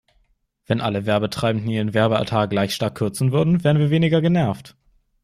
Wenn alle Werbetreibenden ihren Werbeetat gleich stark kürzen würden, wären wir weniger genervt.